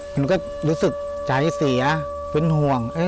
ผมก็รู้สึกจ่ายเสียเป็นห่วง